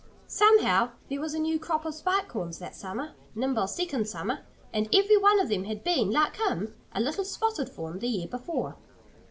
Somehow there was a new crop of Spike Horns that summer Nimble's second summer. And every one of them had been like him a little spotted fawn the year before.